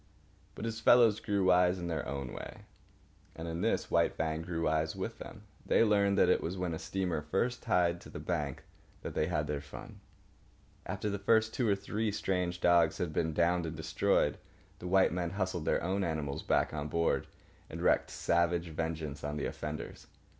But his fellows grew wise in their own way; and in this White Fang grew wise with them. They learned that it was when a steamer first tied to the bank that they had their fun. After the first two or three strange dogs had been downed and destroyed, the white men hustled their own animals back on board and wrecked savage vengeance on the offenders.